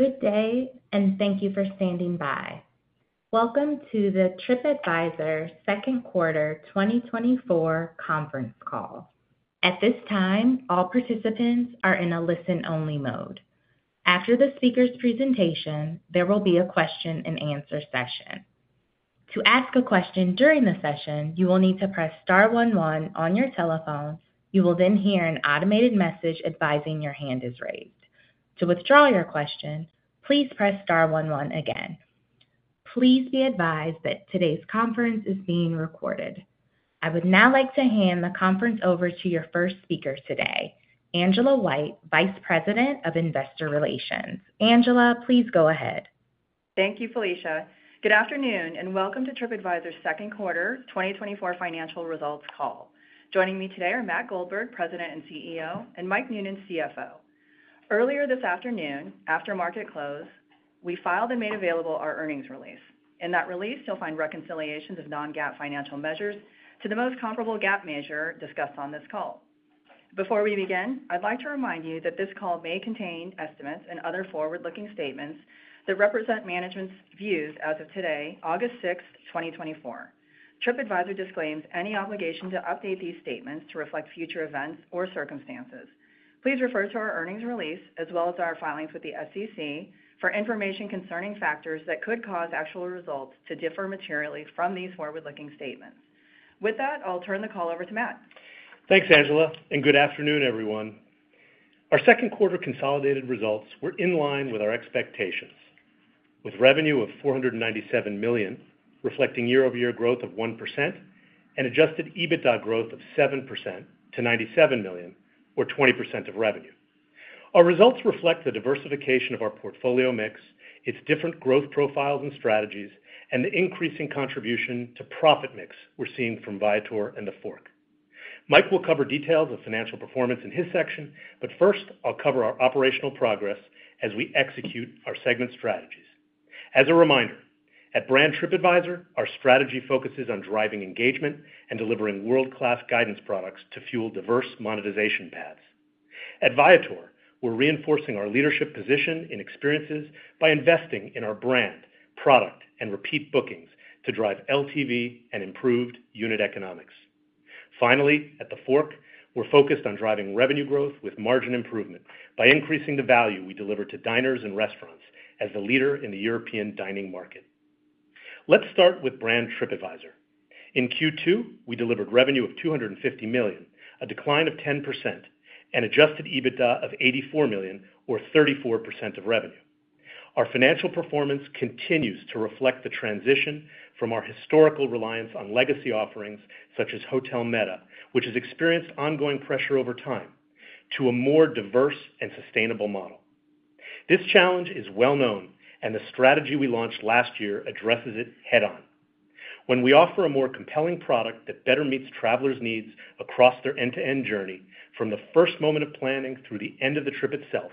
Good day, and thank you for standing by. Welcome to the Tripadvisor Second Quarter 2024 Conference Call. At this time, all participants are in a listen-only mode. After the speaker's presentation, there will be a question-and-answer session. To ask a question during the session, you will need to press star one one on your telephone. You will then hear an automated message advising your hand is raised. To withdraw your question, please press star one one again. Please be advised that today's conference is being recorded. I would now like to hand the conference over to your first speaker today, Angela White, Vice President of Investor Relations. Angela, please go ahead. Thank you, Felicia. Good afternoon, and welcome to Tripadvisor's second quarter 2024 financial results call. Joining me today are Matt Goldberg, President and CEO, and Mike Noonan, CFO. Earlier this afternoon, after market close, we filed and made available our earnings release. In that release, you'll find reconciliations of non-GAAP financial measures to the most comparable GAAP measure discussed on this call. Before we begin, I'd like to remind you that this call may contain estimates and other forward-looking statements that represent management's views as of today, August 6, 2024. Tripadvisor disclaims any obligation to update these statements to reflect future events or circumstances. Please refer to our earnings release, as well as our filings with the SEC, for information concerning factors that could cause actual results to differ materially from these forward-looking statements. With that, I'll turn the call over to Matt. Thanks, Angela, and good afternoon, everyone. Our second quarter consolidated results were in line with our expectations, with revenue of $497 million, reflecting year-over-year growth of 1% and adjusted EBITDA growth of 7% to $97 million, or 20% of revenue. Our results reflect the diversification of our portfolio mix, its different growth profiles and strategies, and the increasing contribution to profit mix we're seeing from Viator and TheFork. Mike will cover details of financial performance in his section, but first, I'll cover our operational progress as we execute our segment strategies. As a reminder, at Brand Tripadvisor, our strategy focuses on driving engagement and delivering world-class guidance products to fuel diverse monetization paths. At Viator, we're reinforcing our leadership position in experiences by investing in our brand, product, and repeat bookings to drive LTV and improved unit economics. Finally, at TheFork, we're focused on driving revenue growth with margin improvement by increasing the value we deliver to diners and restaurants as the leader in the European dining market. Let's start with Brand Tripadvisor. In Q2, we delivered revenue of $250 million, a decline of 10%, and Adjusted EBITDA of $84 million, or 34% of revenue. Our financial performance continues to reflect the transition from our historical reliance on legacy offerings, such as Hotel Meta, which has experienced ongoing pressure over time, to a more diverse and sustainable model. This challenge is well known, and the strategy we launched last year addresses it head-on. When we offer a more compelling product that better meets travelers' needs across their end-to-end journey, from the first moment of planning through the end of the trip itself,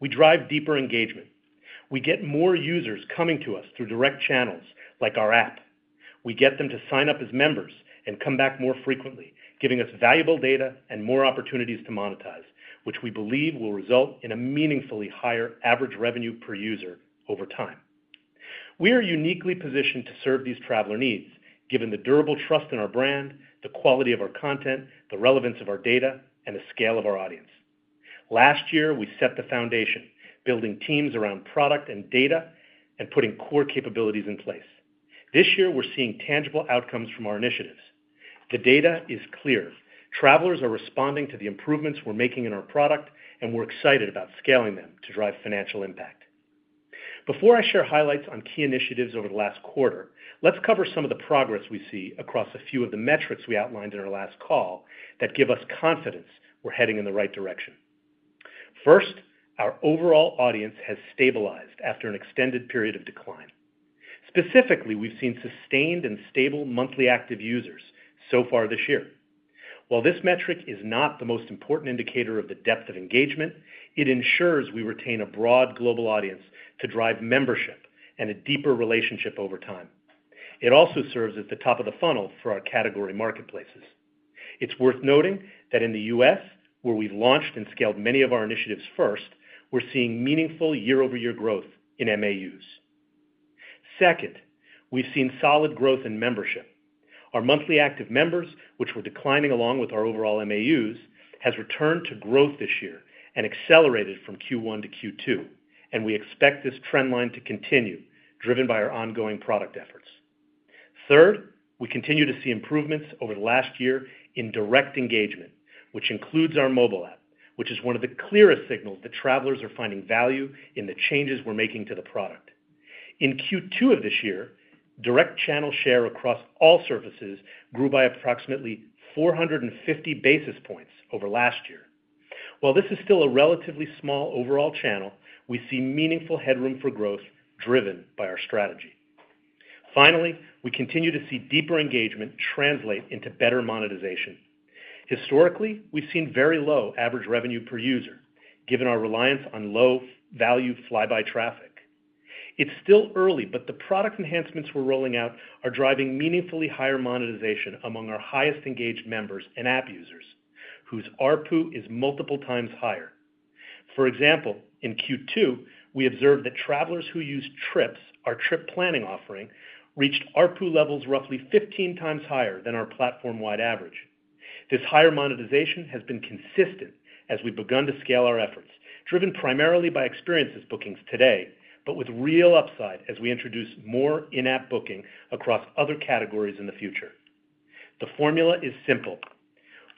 we drive deeper engagement. We get more users coming to us through direct channels, like our app. We get them to sign up as members and come back more frequently, giving us valuable data and more opportunities to monetize, which we believe will result in a meaningfully higher average revenue per user over time. We are uniquely positioned to serve these traveler needs, given the durable trust in our brand, the quality of our content, the relevance of our data, and the scale of our audience. Last year, we set the foundation, building teams around product and data and putting core capabilities in place. This year, we're seeing tangible outcomes from our initiatives. The data is clear: Travelers are responding to the improvements we're making in our product, and we're excited about scaling them to drive financial impact. Before I share highlights on key initiatives over the last quarter, let's cover some of the progress we see across a few of the metrics we outlined in our last call that give us confidence we're heading in the right direction. First, our overall audience has stabilized after an extended period of decline. Specifically, we've seen sustained and stable monthly active users so far this year. While this metric is not the most important indicator of the depth of engagement, it ensures we retain a broad global audience to drive membership and a deeper relationship over time. It also serves as the top of the funnel for our category marketplaces. It's worth noting that in the U.S., where we've launched and scaled many of our initiatives first, we're seeing meaningful year-over-year growth in MAUs. Second, we've seen solid growth in membership. Our monthly active members, which were declining along with our overall MAUs, has returned to growth this year and accelerated from Q1 to Q2, and we expect this trend line to continue, driven by our ongoing product efforts. Third, we continue to see improvements over the last year in direct engagement, which includes our mobile app, which is one of the clearest signals that travelers are finding value in the changes we're making to the product. In Q2 of this year, direct channel share across all services grew by approximately 450 basis points over last year. While this is still a relatively small overall channel, we see meaningful headroom for growth driven by our strategy. Finally, we continue to see deeper engagement translate into better monetization. Historically, we've seen very low average revenue per user, given our reliance on low-value, flyby traffic. It's still early, but the product enhancements we're rolling out are driving meaningfully higher monetization among our highest engaged members and app users, whose ARPU is multiple times higher. For example, in Q2, we observed that travelers who use Trips, our trip planning offering, reached ARPU levels roughly 15x higher than our platform-wide average. This higher monetization has been consistent as we've begun to scale our efforts, driven primarily by experiences bookings today, but with real upside as we introduce more in-app booking across other categories in the future. The formula is simple,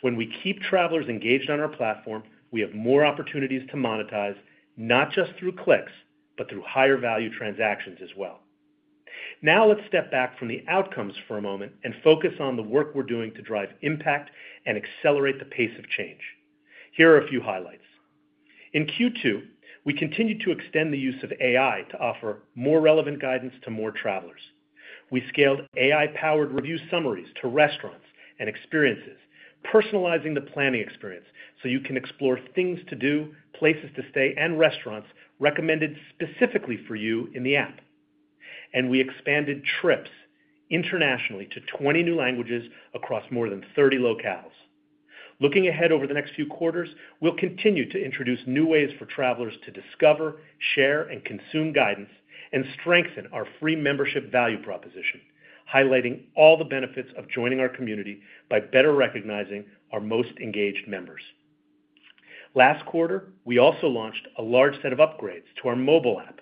when we keep travelers engaged on our platform, we have more opportunities to monetize, not just through clicks, but through higher value transactions as well. Now, let's step back from the outcomes for a moment and focus on the work we're doing to drive impact and accelerate the pace of change. Here are a few highlights. In Q2, we continued to extend the use of AI to offer more relevant guidance to more travelers. We scaled AI-powered review summaries to restaurants and experiences, personalizing the planning experience so you can explore things to do, places to stay, and restaurants recommended specifically for you in the app. We expanded Trips internationally to 20 new languages across more than 30 locales. Looking ahead over the next few quarters, we'll continue to introduce new ways for travelers to discover, share, and consume guidance, and strengthen our free membership value proposition, highlighting all the benefits of joining our community by better recognizing our most engaged members. Last quarter, we also launched a large set of upgrades to our mobile app,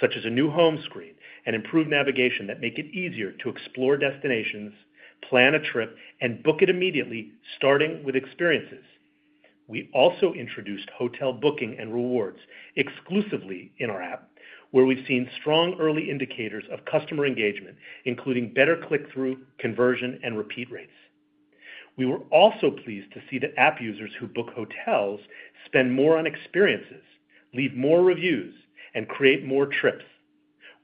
such as a new home screen and improved navigation that make it easier to explore destinations, plan a trip, and book it immediately, starting with experiences. We also introduced hotel booking and rewards exclusively in our app, where we've seen strong early indicators of customer engagement, including better click-through conversion and repeat rates. We were also pleased to see that app users who book hotels spend more on experiences, leave more reviews, and create more trips.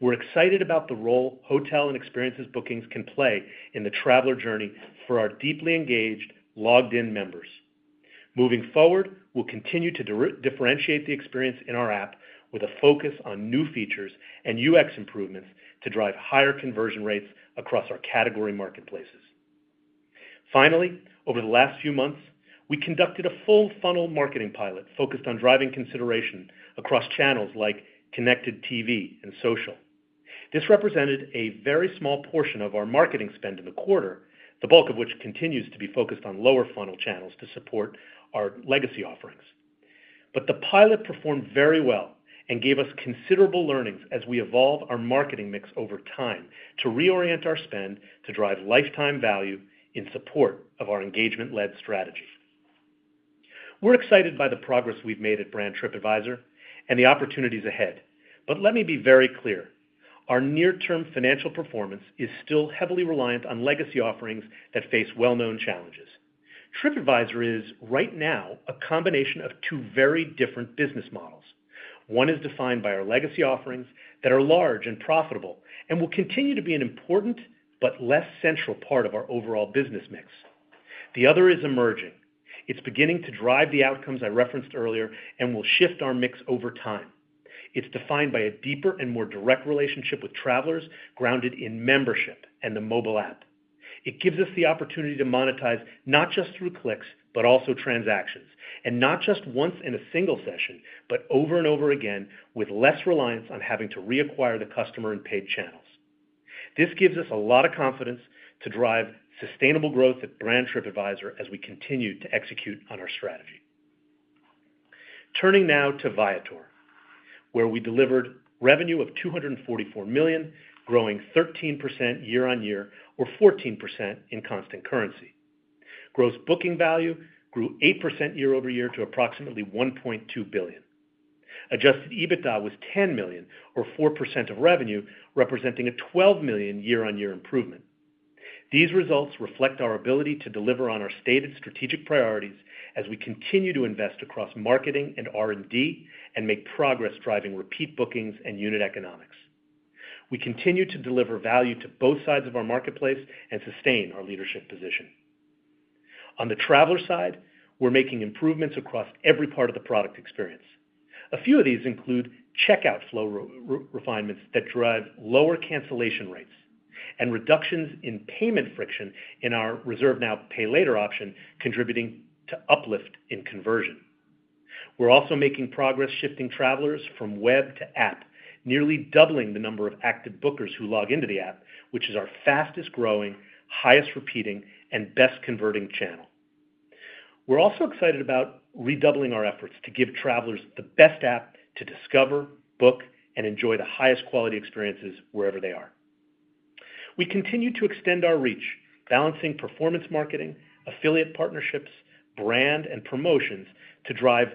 We're excited about the role hotel and experiences bookings can play in the traveler journey for our deeply engaged, logged-in members. Moving forward, we'll continue to differentiate the experience in our app with a focus on new features and UX improvements to drive higher conversion rates across our category marketplaces. Finally, over the last few months, we conducted a full funnel marketing pilot focused on driving consideration across channels like Connected TV and social. This represented a very small portion of our marketing spend in the quarter, the bulk of which continues to be focused on lower funnel channels to support our legacy offerings. But the pilot performed very well and gave us considerable learnings as we evolve our marketing mix over time to reorient our spend to drive lifetime value in support of our engagement-led strategy. We're excited by the progress we've made at Brand Tripadvisor and the opportunities ahead, but let me be very clear, our near-term financial performance is still heavily reliant on legacy offerings that face well-known challenges. Tripadvisor is, right now, a combination of two very different business models. One is defined by our legacy offerings that are large and profitable and will continue to be an important but less central part of our overall business mix. The other is emerging. It's beginning to drive the outcomes I referenced earlier and will shift our mix over time. It's defined by a deeper and more direct relationship with travelers, grounded in membership and the mobile app. It gives us the opportunity to monetize not just through clicks, but also transactions, and not just once in a single session, but over and over again, with less reliance on having to reacquire the customer in paid channels. This gives us a lot of confidence to drive sustainable growth at Brand Tripadvisor as we continue to execute on our strategy. Turning now to Viator, where we delivered revenue of $244 million, growing 13% year-over-year, or 14% in constant currency. Gross booking value grew 8% year-over-year to approximately $1.2 billion. Adjusted EBITDA was $10 million, or 4% of revenue, representing a $12 million year-on-year improvement. These results reflect our ability to deliver on our stated strategic priorities as we continue to invest across marketing and R&D and make progress driving repeat bookings and unit economics. We continue to deliver value to both sides of our marketplace and sustain our leadership position. On the traveler side, we're making improvements across every part of the product experience. A few of these include checkout flow refinements that drive lower cancellation rates and reductions in payment friction in our Reserve Now, Pay Later option, contributing to uplift in conversion. We're also making progress shifting travelers from web to app, nearly doubling the number of active bookers who log into the app, which is our fastest-growing, highest repeating, and best converting channel. We're also excited about redoubling our efforts to give travelers the best app to discover, book, and enjoy the highest quality experiences wherever they are. We continue to extend our reach, balancing performance marketing, affiliate partnerships, brand, and promotions to drive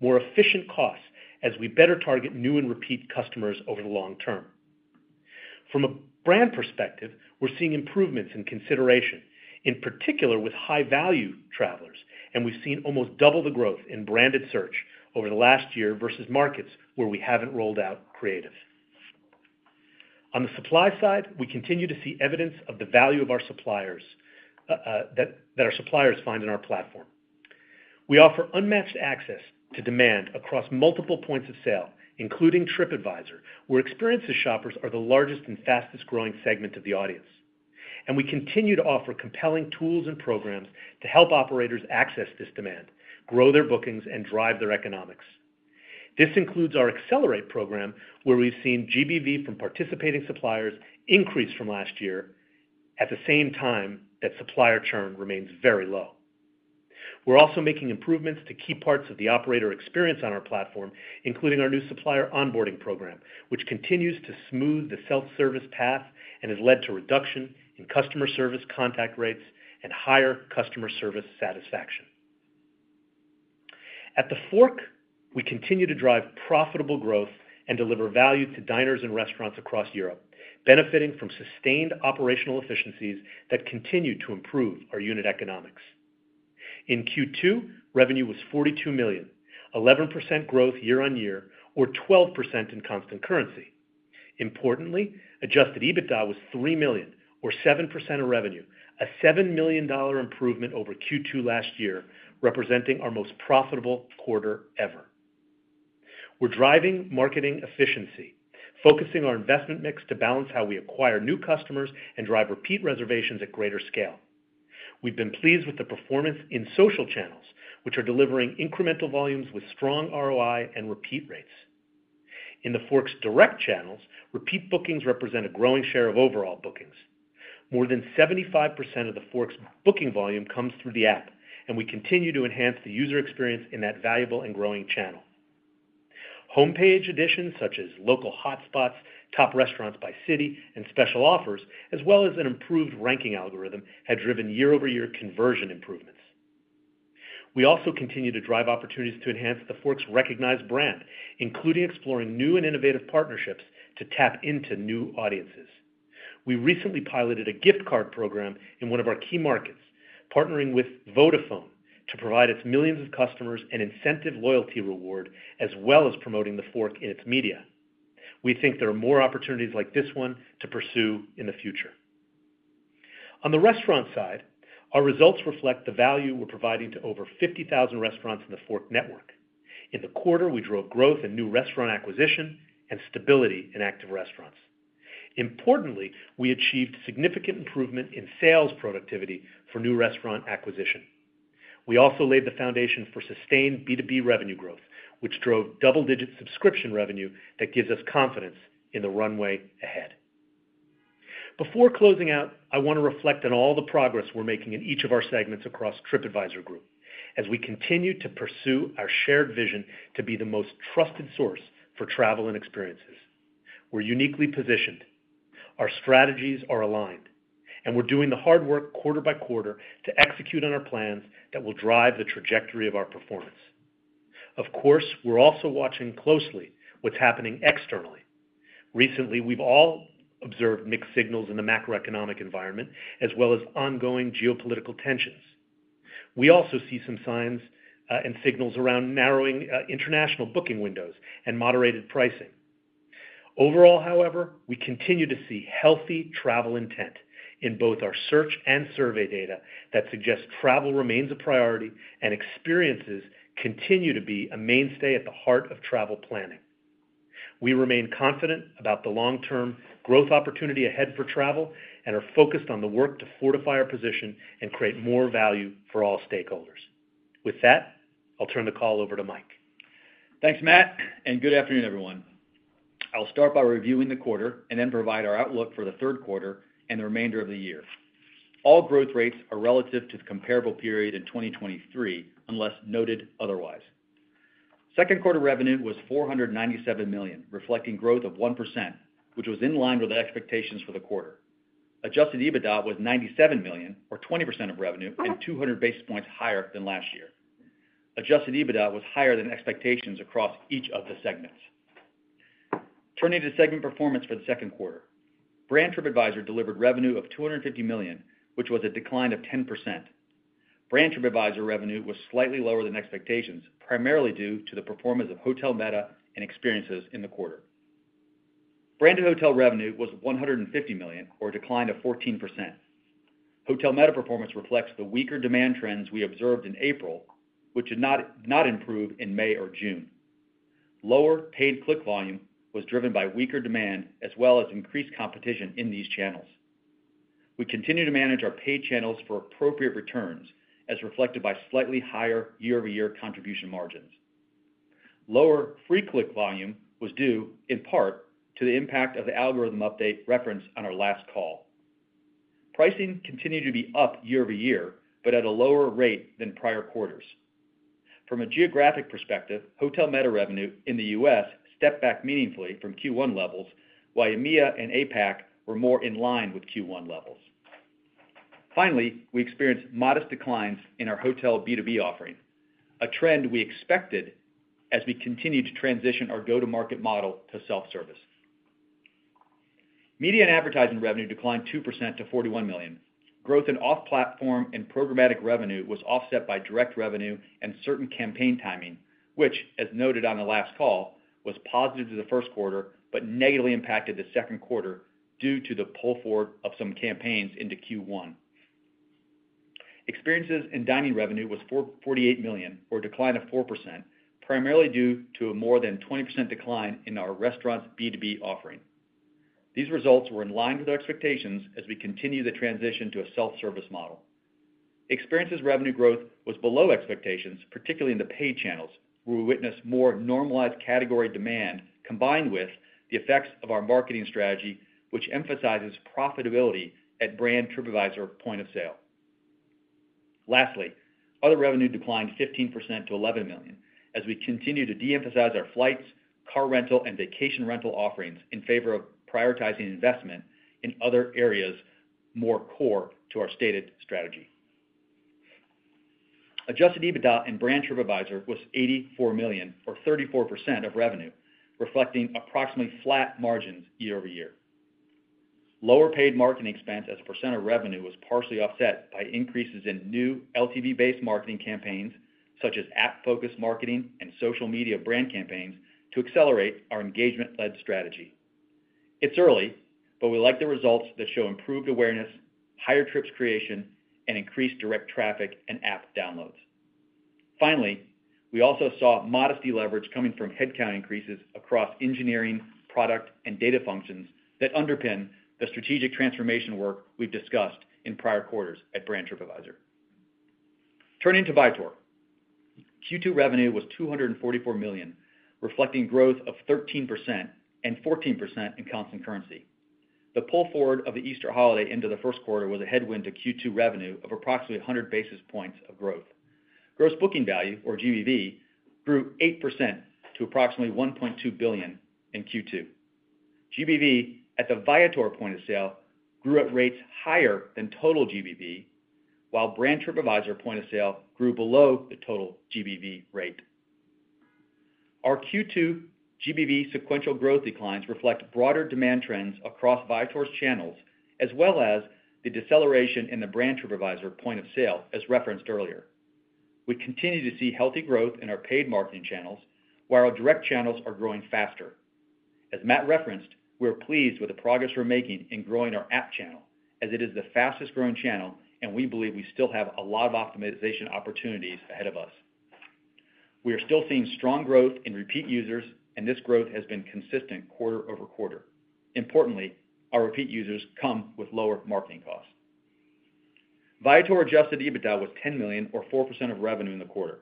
more efficient costs as we better target new and repeat customers over the long term. From a brand perspective, we're seeing improvements in consideration, in particular with high-value travelers, and we've seen almost double the growth in branded search over the last year versus markets where we haven't rolled out creative. On the supply side, we continue to see evidence of the value of our suppliers that our suppliers find in our platform. We offer unmatched access to demand across multiple points of sale, including Tripadvisor, where experience shoppers are the largest and fastest-growing segment of the audience. We continue to offer compelling tools and programs to help operators access this demand, grow their bookings, and drive their economics. This includes our Accelerate program, where we've seen GBV from participating suppliers increase from last year, at the same time, that supplier churn remains very low. We're also making improvements to key parts of the operator experience on our platform, including our new supplier onboarding program, which continues to smooth the self-service path and has led to reduction in customer service contact rates and higher customer service satisfaction. At TheFork, we continue to drive profitable growth and deliver value to diners and restaurants across Europe, benefiting from sustained operational efficiencies that continue to improve our unit economics. In Q2, revenue was $42 million, 11% growth year-on-year, or 12% in constant currency. Importantly, Adjusted EBITDA was $3 million, or 7% of revenue, a $7 million improvement over Q2 last year, representing our most profitable quarter ever. We're driving marketing efficiency, focusing our investment mix to balance how we acquire new customers and drive repeat reservations at greater scale. We've been pleased with the performance in social channels, which are delivering incremental volumes with strong ROI and repeat rates. In TheFork's direct channels, repeat bookings represent a growing share of overall bookings. More than 75% of TheFork's booking volume comes through the app, and we continue to enhance the user experience in that valuable and growing channel. Homepage additions, such as local hotspots, top restaurants by city, and special offers, as well as an improved ranking algorithm, have driven year-over-year conversion improvements. We also continue to drive opportunities to enhance TheFork's recognized brand, including exploring new and innovative partnerships to tap into new audiences. We recently piloted a gift card program in one of our key markets, partnering with Vodafone to provide its millions of customers an incentive loyalty reward, as well as promoting TheFork in its media. We think there are more opportunities like this one to pursue in the future. On the restaurant side, our results reflect the value we're providing to over 50,000 restaurants in TheFork network. In the quarter, we drove growth in new restaurant acquisition and stability in active restaurants. Importantly, we achieved significant improvement in sales productivity for new restaurant acquisition. We also laid the foundation for sustained B2B revenue growth, which drove double-digit subscription revenue that gives us confidence in the runway ahead. Before closing out, I want to reflect on all the progress we're making in each of our segments across Tripadvisor Group, as we continue to pursue our shared vision to be the most trusted source for travel and experiences. We're uniquely positioned, our strategies are aligned, and we're doing the hard work quarter by quarter to execute on our plans that will drive the trajectory of our performance. Of course, we're also watching closely what's happening externally. Recently, we've all observed mixed signals in the macroeconomic environment, as well as ongoing geopolitical tensions. We also see some signs and signals around narrowing international booking windows and moderated pricing. Overall, however, we continue to see healthy travel intent in both our search and survey data that suggests travel remains a priority, and experiences continue to be a mainstay at the heart of travel planning. We remain confident about the long-term growth opportunity ahead for travel and are focused on the work to fortify our position and create more value for all stakeholders. With that, I'll turn the call over to Mike. Thanks, Matt, and good afternoon, everyone. I'll start by reviewing the quarter and then provide our outlook for the third quarter and the remainder of the year. All growth rates are relative to the comparable period in 2023, unless noted otherwise. Second quarter revenue was $497 million, reflecting growth of 1%, which was in line with the expectations for the quarter. Adjusted EBITDA was $97 million, or 20% of revenue, and 200 basis points higher than last year. Adjusted EBITDA was higher than expectations across each of the segments. Turning to segment performance for the second quarter. Brand Tripadvisor delivered revenue of $250 million, which was a decline of 10%. Brand Tripadvisor revenue was slightly lower than expectations, primarily due to the performance of Hotel Meta and experiences in the quarter. Branded Hotels revenue was $150 million, or a decline of 14%. Hotel Meta performance reflects the weaker demand trends we observed in April, which did not improve in May or June. Lower paid click volume was driven by weaker demand, as well as increased competition in these channels. We continue to manage our paid channels for appropriate returns, as reflected by slightly higher year-over-year contribution margins. Lower free click volume was due, in part, to the impact of the algorithm update referenced on our last call. Pricing continued to be up year-over-year, but at a lower rate than prior quarters. From a geographic perspective, Hotel Meta revenue in the U.S. stepped back meaningfully from Q1 levels, while EMEA and APAC were more in line with Q1 levels. Finally, we experienced modest declines in our hotel B2B offering, a trend we expected as we continued to transition our go-to-market model to self-service. Media and Advertising revenue declined 2% to $41 million. Growth in off-platform and programmatic revenue was offset by direct revenue and certain campaign timing, which, as noted on the last call, was positive to the first quarter, but negatively impacted the second quarter due to the pull forward of some campaigns into Q1. Experiences and Dining revenue was $48 million, or a decline of 4%, primarily due to a more than 20% decline in our restaurants B2B offering. These results were in line with our expectations as we continue the transition to a self-service model. Experiences revenue growth was below expectations, particularly in the paid channels, where we witnessed more normalized category demand, combined with the effects of our marketing strategy, which emphasizes profitability at Brand Tripadvisor point of sale. Lastly, other revenue declined 15% to $11 million as we continue to de-emphasize our flights, car rental, and vacation rental offerings in favor of prioritizing investment in other areas more core to our stated strategy. Adjusted EBITDA for Brand Tripadvisor was $84 million, or 34% of revenue, reflecting approximately flat margins year-over-year. Lower paid marketing expense as a percent of revenue was partially offset by increases in new LTV-based marketing campaigns, such as app-focused marketing and social media brand campaigns, to accelerate our engagement-led strategy. It's early, but we like the results that show improved awareness, higher trips creation, and increased direct traffic and app downloads. Finally, we also saw modest leverage coming from headcount increases across engineering, product, and data functions that underpin the strategic transformation work we've discussed in prior quarters at Brand Tripadvisor. Turning to Viator. Q2 revenue was $244 million, reflecting growth of 13% and 14% in constant currency. The pull forward of the Easter holiday into the first quarter was a headwind to Q2 revenue of approximately 100 basis points of growth. Gross booking value, or GBV, grew 8% to approximately $1.2 billion in Q2. GBV at the Viator point of sale grew at rates higher than total GBV, while Brand Tripadvisor point of sale grew below the total GBV rate. Our Q2 GBV sequential growth declines reflect broader demand trends across Viator's channels, as well as the deceleration in the Brand Tripadvisor point of sale, as referenced earlier. We continue to see healthy growth in our paid marketing channels, while our direct channels are growing faster. As Matt referenced, we are pleased with the progress we're making in growing our app channel, as it is the fastest growing channel, and we believe we still have a lot of optimization opportunities ahead of us. We are still seeing strong growth in repeat users, and this growth has been consistent quarter-over-quarter. Importantly, our repeat users come with lower marketing costs. Viator Adjusted EBITDA was $10 million, or 4% of revenue in the quarter.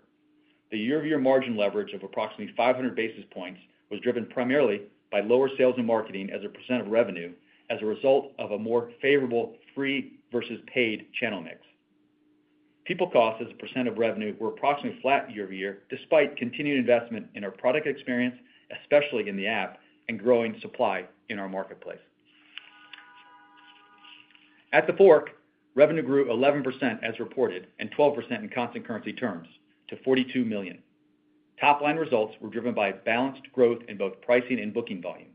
The year-over-year margin leverage of approximately 500 basis points was driven primarily by lower sales and marketing as a percent of revenue as a result of a more favorable free versus paid channel mix. People costs as a percent of revenue were approximately flat year-over-year, despite continued investment in our product experience, especially in the app, and growing supply in our marketplace. At TheFork, revenue grew 11% as reported and 12% in constant currency terms to $42 million. Top-line results were driven by balanced growth in both pricing and booking volume.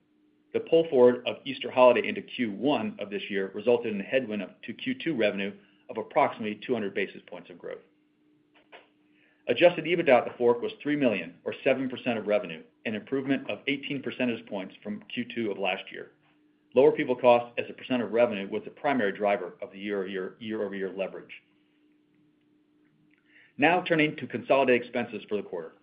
The pull forward of Easter holiday into Q1 of this year resulted in a headwind up to Q2 revenue of approximately 200 basis points of growth. Adjusted EBITDA at TheFork was $3 million, or 7% of revenue, an improvement of 18 percentage points from Q2 of last year. Lower people cost as a percent of revenue was the primary driver of the year-over-year, year-over-year leverage. Now, turning to consolidated expenses for the quarter.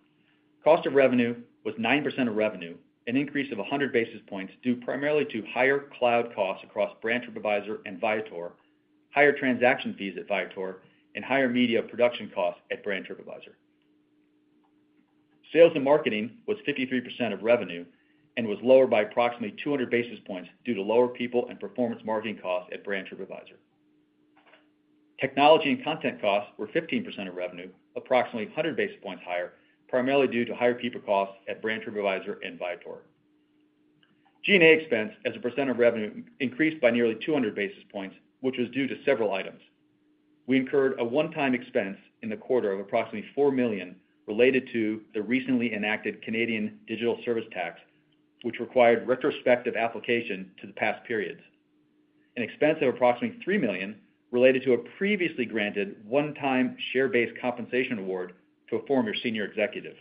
Cost of revenue was 9% of revenue, an increase of 100 basis points, due primarily to higher cloud costs across Brand Tripadvisor and Viator, higher transaction fees at Viator, and higher media production costs at Brand Tripadvisor. Sales and marketing was 53% of revenue and was lower by approximately 200 basis points due to lower people and performance marketing costs at Brand Tripadvisor. Technology and content costs were 15% of revenue, approximately 100 basis points higher, primarily due to higher people costs at Brand Tripadvisor and Viator. G&A expense as a percent of revenue increased by nearly 200 basis points, which was due to several items. We incurred a one-time expense in the quarter of approximately $4 million related to the recently enacted Canadian Digital Services Tax, which required retrospective application to the past periods, an expense of approximately $3 million related to a previously granted one-time share-based compensation award to a former senior executive,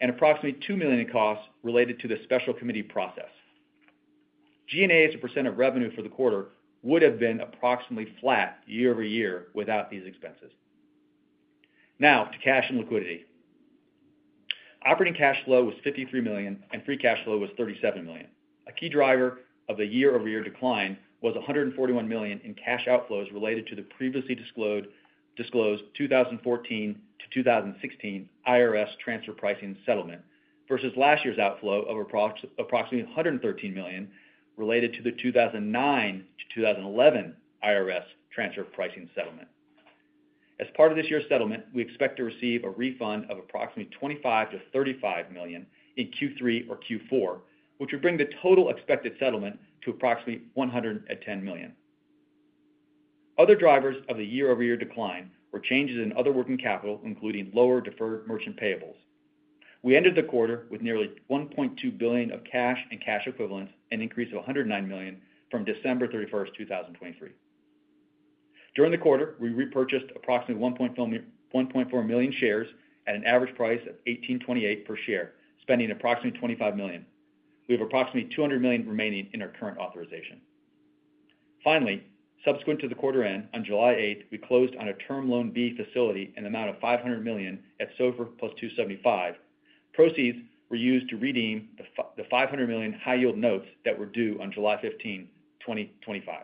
and approximately $2 million in costs related to the Special Committee process. G&A as a percent of revenue for the quarter would have been approximately flat year-over-year without these expenses. Now to cash and liquidity. Operating cash flow was $53 million, and free cash flow was $37 million. A key driver of the year-over-year decline was $141 million in cash outflows related to the previously disclosed 2014 to 2016 IRS transfer pricing settlement, versus last year's outflow of approximately $113 million related to the 2009 to 2011 IRS transfer pricing settlement. As part of this year's settlement, we expect to receive a refund of approximately $25 million-$35 million in Q3 or Q4, which would bring the total expected settlement to approximately $110 million. Other drivers of the year-over-year decline were changes in other working capital, including lower deferred merchant payables. We ended the quarter with nearly $1.2 billion of cash and cash equivalents, an increase of $109 million from December 31, 2023. During the quarter, we repurchased approximately 1.4 million shares at an average price of $18.28 per share, spending approximately $25 million. We have approximately $200 million remaining in our current authorization. Finally, subsequent to the quarter end, on July 8, we closed on a Term Loan B facility in the amount of $500 million at SOFR + 275. Proceeds were used to redeem the $500 million High Yield Notes that were due on July 15, 2025.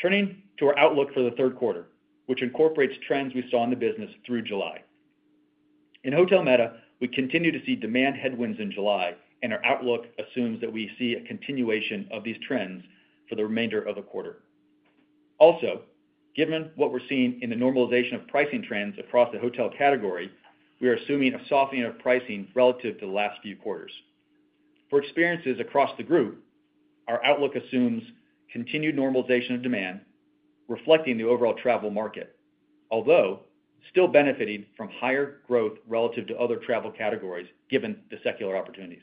Turning to our outlook for the third quarter, which incorporates trends we saw in the business through July. In Hotel Meta, we continue to see demand headwinds in July, and our outlook assumes that we see a continuation of these trends for the remainder of the quarter. Also, given what we're seeing in the normalization of pricing trends across the hotel category, we are assuming a softening of pricing relative to the last few quarters. For experiences across the group, our outlook assumes continued normalization of demand, reflecting the overall travel market, although still benefiting from higher growth relative to other travel categories, given the secular opportunities.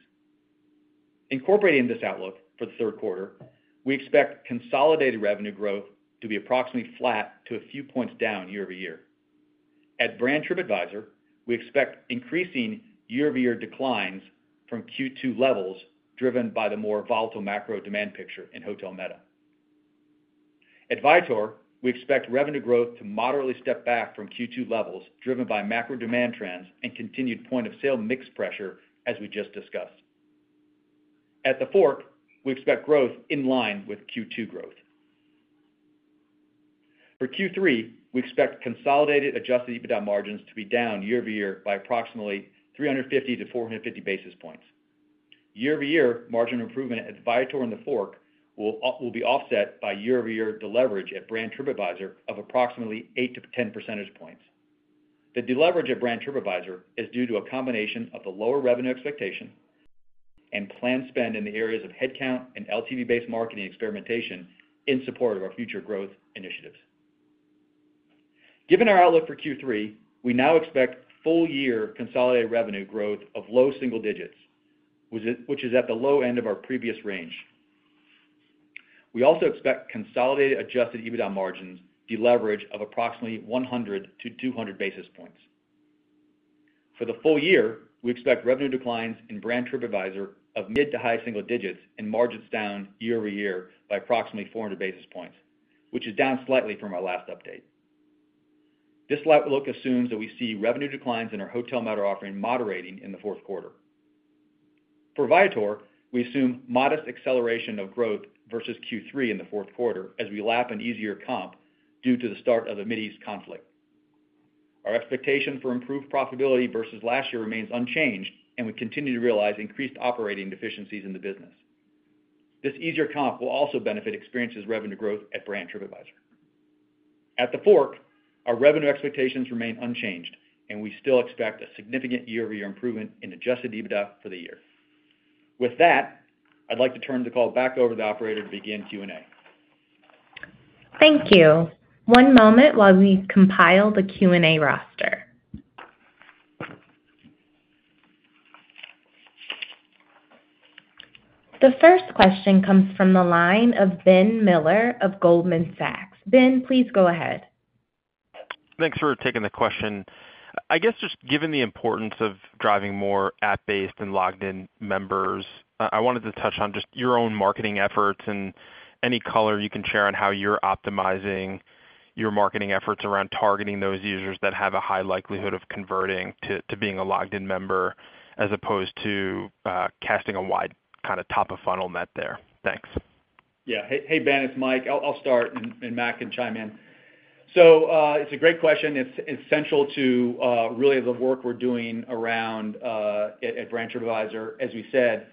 Incorporating this outlook for the third quarter, we expect consolidated revenue growth to be approximately flat to a few points down year-over-year. At Brand Tripadvisor, we expect increasing year-over-year declines from Q2 levels, driven by the more volatile macro demand picture in Hotel Meta. At Viator, we expect revenue growth to moderately step back from Q2 levels, driven by macro demand trends and continued point of sale mix pressure, as we just discussed. At TheFork, we expect growth in line with Q2 growth. For Q3, we expect consolidated adjusted EBITDA margins to be down year-over-year by approximately 350-450 basis points. Year-over-year, margin improvement at Viator and TheFork will be offset by year-over-year deleverage at Brand Tripadvisor of approximately 8-10 percentage points. The deleverage at Brand Tripadvisor is due to a combination of the lower revenue expectation and planned spend in the areas of headcount and LTV-based marketing experimentation in support of our future growth initiatives. Given our outlook for Q3, we now expect full-year consolidated revenue growth of low single digits, which is at the low end of our previous range. We also expect consolidated adjusted EBITDA margins deleverage of approximately 100-200 basis points. For the full year, we expect revenue declines in Brand Tripadvisor of mid- to high-single digits and margins down year-over-year by approximately 400 basis points, which is down slightly from our last update. This outlook assumes that we see revenue declines in our Hotel Meta offering moderating in the fourth quarter. For Viator, we assume modest acceleration of growth versus Q3 in the fourth quarter as we lap an easier comp due to the start of the Mideast conflict. Our expectation for improved profitability versus last year remains unchanged, and we continue to realize increased operating efficiencies in the business. This easier comp will also benefit experiences revenue growth at Brand Tripadvisor. At TheFork, our revenue expectations remain unchanged, and we still expect a significant year-over-year improvement in Adjusted EBITDA for the year. With that, I'd like to turn the call back over to the operator to begin Q&A. Thank you. One moment while we compile the Q&A roster. The first question comes from the line of Ben Miller of Goldman Sachs. Ben, please go ahead. Thanks for taking the question. I guess, just given the importance of driving more app-based and logged in members, I wanted to touch on just your own marketing efforts and any color you can share on how you're optimizing your marketing efforts around targeting those users that have a high likelihood of converting to, to being a logged in member, as opposed to, casting a wide kind of top of funnel net there. Thanks. Yeah. Hey, Ben, it's Mike. I'll start and Matt can chime in. So, it's a great question. It's central to really the work we're doing around at Brand Tripadvisor. As you said,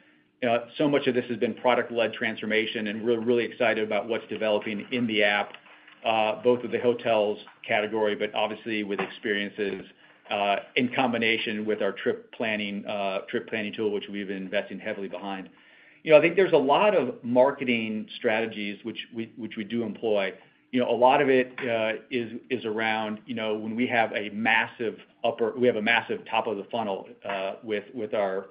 so much of this has been product-led transformation, and we're really excited about what's developing in the app both with the hotels category, but obviously with experiences in combination with our trip planning tool, which we've been investing heavily behind. You know, I think there's a lot of marketing strategies which we do employ. You know, a lot of it is around, you know, when we have a massive top of the funnel with our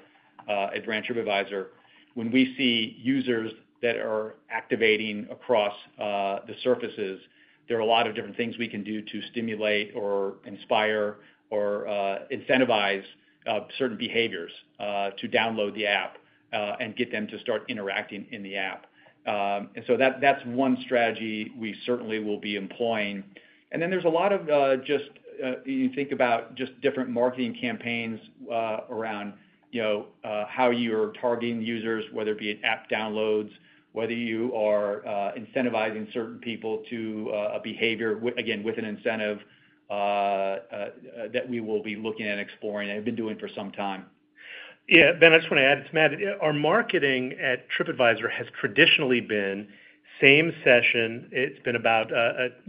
at Brand Tripadvisor. When we see users that are activating across the surfaces, there are a lot of different things we can do to stimulate or inspire or incentivize certain behaviors to download the app and get them to start interacting in the app. And so that, that's one strategy we certainly will be employing. And then there's a lot of just you think about just different marketing campaigns around you know how you're targeting users, whether it be in app downloads, whether you are incentivizing certain people to a behavior with, again, with an incentive that we will be looking at exploring and have been doing for some time. Yeah, Ben, I just want to add, it's Matt. Our marketing at Tripadvisor has traditionally been same session. It's been about,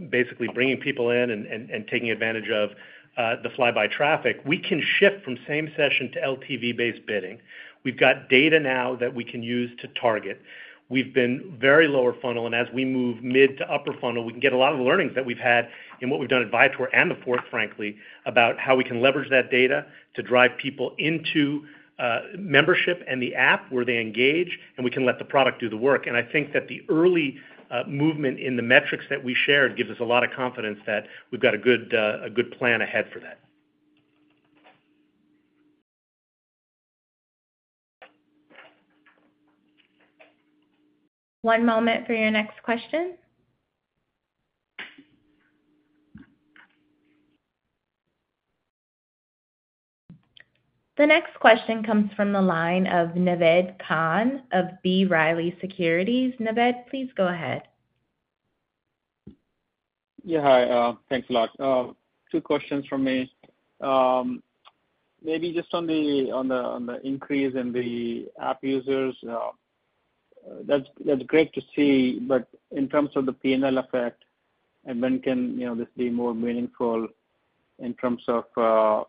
basically bringing people in and taking advantage of the fly-by traffic. We can shift from same session to LTV-based bidding. We've got data now that we can use to target. We've been very lower funnel, and as we move mid to upper funnel, we can get a lot of the learnings that we've had in what we've done at Viator and TheFork, frankly, about how we can leverage that data to drive people into membership and the app where they engage, and we can let the product do the work. And I think that the early movement in the metrics that we shared gives us a lot of confidence that we've got a good, a good plan ahead for that. One moment for your next question. The next question comes from the line of Naved Khan of B. Riley Securities. Naved, please go ahead. Yeah, hi. Thanks a lot. Two questions from me. Maybe just on the increase in the app users, that's great to see. But in terms of the P&L effect, and when can, you know, this be more meaningful in terms of,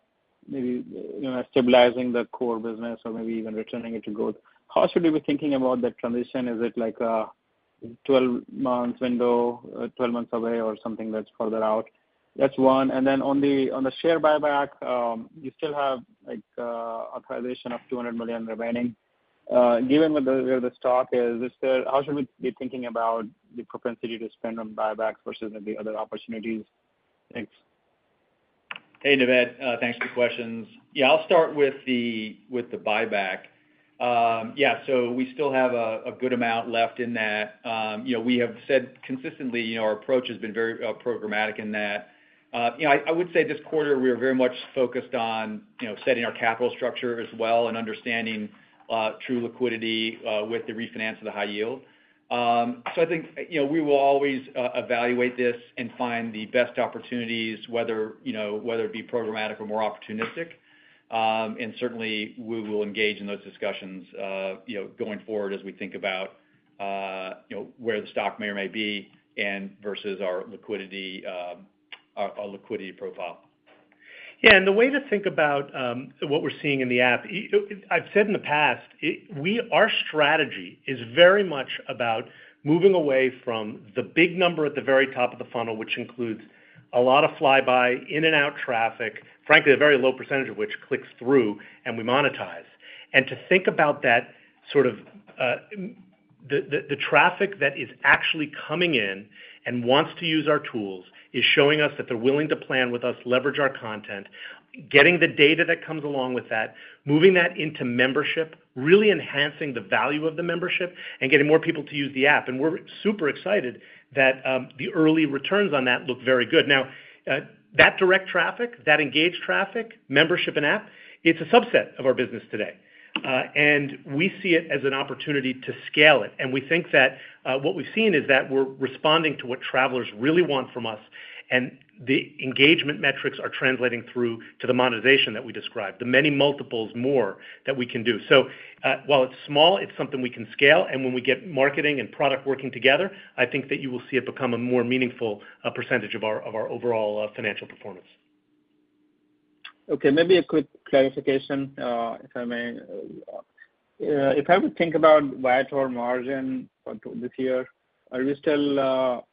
maybe, you know, stabilizing the core business or maybe even returning it to growth? How should we be thinking about that transition? Is it like a 12-month window, 12 months away, or something that's further out? That's one. And then on the share buyback, you still have, like, authorization of $200 million remaining. Given where the stock is, how should we be thinking about the propensity to spend on buyback versus maybe other opportunities? Thanks. Hey, Naved, thanks for the questions. Yeah, I'll start with the buyback. Yeah, so we still have a good amount left in that. You know, we have said consistently, you know, our approach has been very programmatic in that. You know, I would say this quarter, we are very much focused on, you know, setting our capital structure as well and understanding true liquidity with the refinance of the high yield. So I think, you know, we will always evaluate this and find the best opportunities, whether, you know, whether it be programmatic or more opportunistic. And certainly, we will engage in those discussions, you know, going forward as we think about, you know, where the stock may or may be and versus our liquidity, our liquidity profile. Yeah, and the way to think about what we're seeing in the app, I've said in the past, our strategy is very much about moving away from the big number at the very top of the funnel, which includes a lot of flyby in-and-out traffic, frankly, a very low percentage of which clicks through, and we monetize. And to think about that sort of, the traffic that is actually coming in and wants to use our tools is showing us that they're willing to plan with us, leverage our content, getting the data that comes along with that, moving that into membership, really enhancing the value of the membership and getting more people to use the app. And we're super excited that, the early returns on that look very good. Now, that direct traffic, that engaged traffic, membership, and app, it's a subset of our business today, and we see it as an opportunity to scale it. And we think that, what we've seen is that we're responding to what travelers really want from us, and the engagement metrics are translating through to the monetization that we described, the many multiples more that we can do. So, while it's small, it's something we can scale, and when we get marketing and product working together, I think that you will see it become a more meaningful, percentage of our overall, financial performance. Okay, maybe a quick clarification, if I may. If I would think about Viator margin for this year, are we still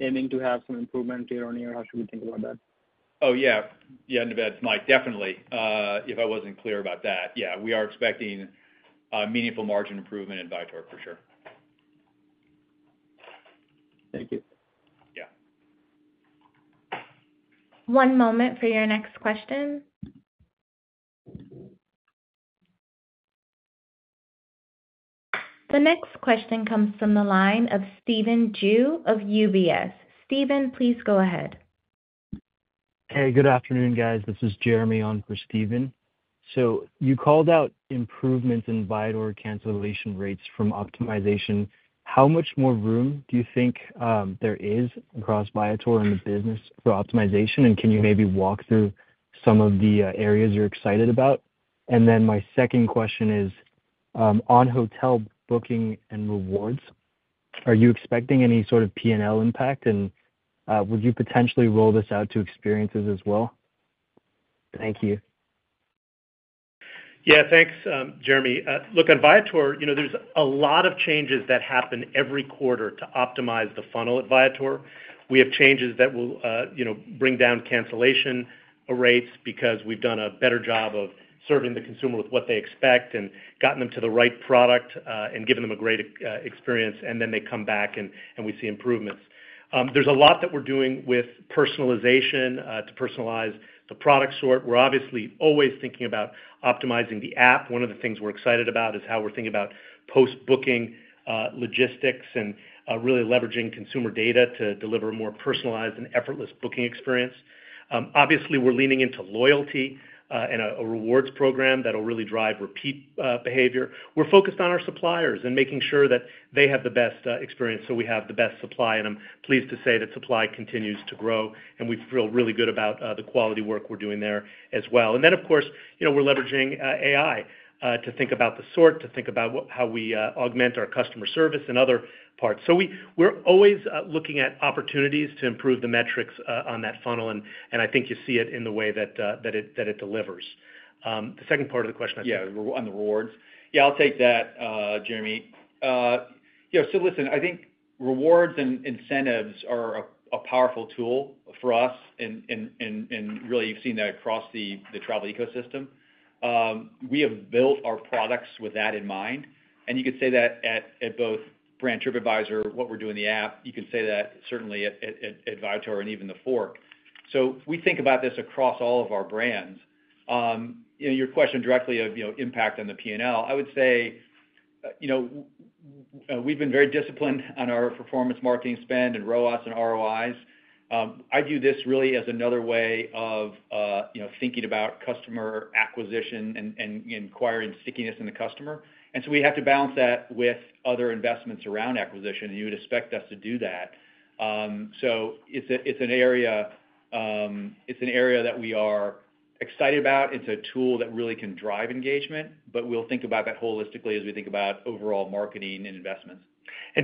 aiming to have some improvement year-on-year, or how should we think about that? Oh, yeah. Yeah, Naved, Mike, definitely, if I wasn't clear about that, yeah, we are expecting a meaningful margin improvement in Viator, for sure. Thank you. Yeah. One moment for your next question. The next question comes from the line of Steven Ju of UBS. Steven, please go ahead. Hey, good afternoon, guys. This is Jeremy on for Steven. So you called out improvements in Viator cancellation rates from optimization. How much more room do you think there is across Viator in the business for optimization? And can you maybe walk through some of the areas you're excited about? And then my second question is on hotel booking and rewards, are you expecting any sort of P&L impact? And would you potentially roll this out to experiences as well? Thank you. Yeah, thanks, Jeremy. Look, on Viator, you know, there's a lot of changes that happen every quarter to optimize the funnel at Viator. We have changes that will, you know, bring down cancellation rates because we've done a better job of serving the consumer with what they expect and gotten them to the right product, and given them a great experience, and then they come back, and we see improvements. There's a lot that we're doing with personalization, to personalize the product sort. We're obviously always thinking about optimizing the app. One of the things we're excited about is how we're thinking about post-booking, logistics and, really leveraging consumer data to deliver a more personalized and effortless booking experience. Obviously, we're leaning into loyalty, and a rewards program that'll really drive repeat, behavior. We're focused on our suppliers and making sure that they have the best experience, so we have the best supply, and I'm pleased to say that supply continues to grow, and we feel really good about the quality work we're doing there as well. And then, of course, you know, we're leveraging AI to think about the sort, to think about how we augment our customer service and other parts. So we're always looking at opportunities to improve the metrics on that funnel, and I think you see it in the way that that it delivers. The second part of the question, I think- Yeah, on the rewards. Yeah, I'll take that, Jeremy. Yeah, so listen, I think rewards and incentives are a powerful tool for us and really you've seen that across the travel ecosystem. We have built our products with that in mind, and you could say that at both Brand Tripadvisor, what we're doing in the app, you could say that certainly at Viator and even TheFork. So we think about this across all of our brands. You know, your question directly of, you know, impact on the P&L, I would say... You know, we've been very disciplined on our performance marketing spend, and ROAS and ROIs. I view this really as another way of, you know, thinking about customer acquisition and acquiring stickiness in the customer. And so we have to balance that with other investments around acquisition. You would expect us to do that. So it's an area that we are excited about. It's a tool that really can drive engagement, but we'll think about that holistically as we think about overall marketing and investments.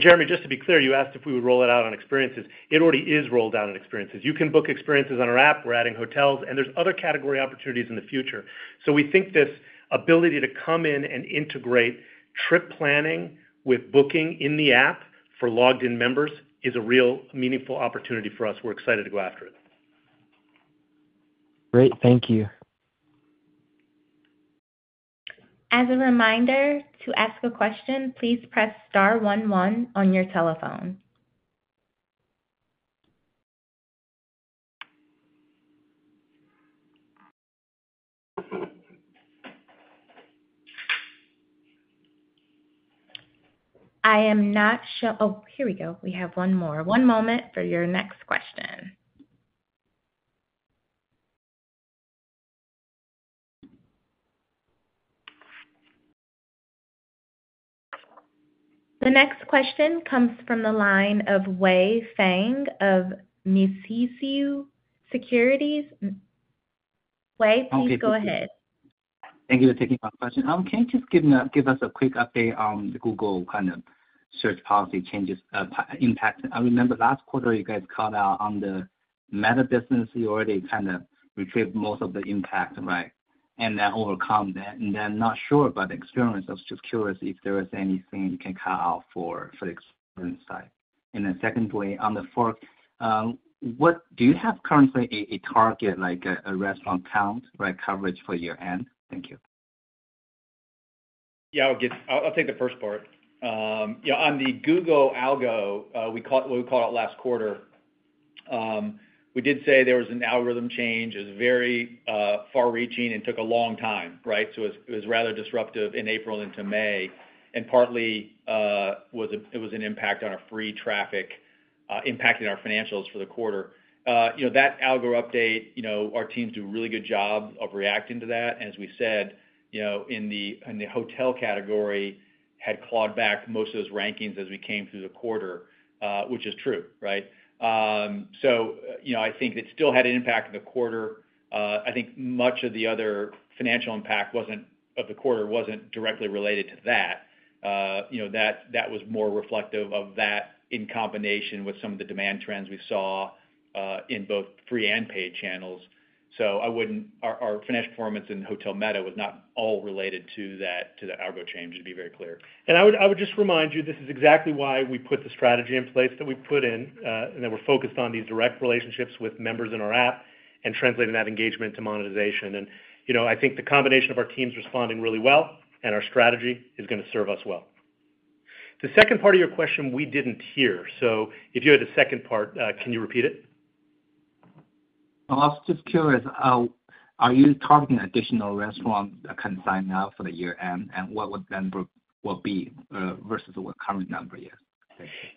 Jeremy, just to be clear, you asked if we would roll it out on experiences. It already is rolled out on experiences. You can book experiences on our app, we're adding hotels, and there's other category opportunities in the future. So we think this ability to come in and integrate trip planning with booking in the app for logged in members is a real meaningful opportunity for us. We're excited to go after it. Great, thank you. As a reminder, to ask a question, please press star one one on your telephone. I am not sure. Oh, here we go. We have one more. One moment for your next question. The next question comes from the line of Wei Fang of Mizuho Securities. Wei, please go ahead. Thank you for taking my question. Can you just give us a quick update on the Google kind of search policy changes, impact? I remember last quarter you guys called out on the Meta business, you already kind of retrieved most of the impact, right? And then overcome that, and I'm not sure about the experience. I was just curious if there was anything you can call out for, for the experience side. And then secondly, on TheFork, do you have currently a target, like a restaurant count, like, coverage for year-end? Thank you. Yeah, I'll take the first part. Yeah, on the Google algo, we called, what we called out last quarter, we did say there was an algorithm change. It was very far reaching and took a long time, right? So it was rather disruptive in April into May, and partly, it was an impact on our free traffic, impacting our financials for the quarter. You know, that algo update, you know, our teams do a really good job of reacting to that. And as we said, you know, in the hotel category, had clawed back most of those rankings as we came through the quarter, which is true, right? So, you know, I think it still had an impact on the quarter. I think much of the other financial impact of the quarter wasn't directly related to that. You know, that, that was more reflective of that in combination with some of the demand trends we saw in both free and paid channels. So I wouldn't. Our financial performance in Hotel Meta was not all related to that, to the algo change, to be very clear. I would, I would just remind you, this is exactly why we put the strategy in place that we put in, and that we're focused on these direct relationships with members in our app and translating that engagement to monetization. You know, I think the combination of our teams responding really well, and our strategy is gonna serve us well. The second part of your question we didn't hear, so if you had a second part, can you repeat it? I was just curious, are you targeting additional restaurants that can sign now for the year-end? And what would them will be versus the what current number you have?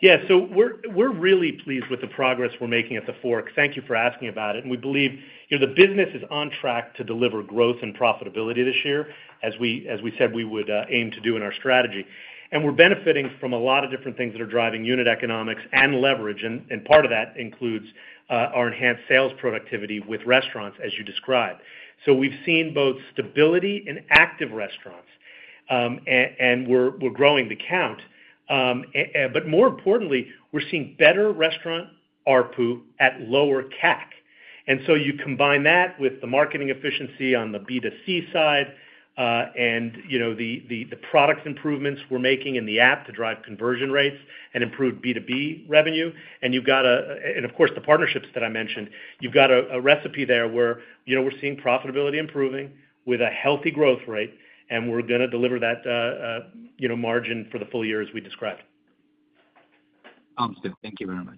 Yeah. So we're really pleased with the progress we're making at TheFork. Thank you for asking about it. And we believe, you know, the business is on track to deliver growth and profitability this year, as we said we would aim to do in our strategy. And we're benefiting from a lot of different things that are driving unit economics and leverage, and part of that includes our enhanced sales productivity with restaurants, as you described. So we've seen both stability and active restaurants, and we're growing the count. But more importantly, we're seeing better restaurant ARPU at lower CAC. And so you combine that with the marketing efficiency on the B2C side, and, you know, the product improvements we're making in the app to drive conversion rates and improve B2B revenue, and you've got and of course, the partnerships that I mentioned. You've got a recipe there where, you know, we're seeing profitability improving with a healthy growth rate, and we're gonna deliver that, you know, margin for the full year as we described. Awesome. Thank you very much.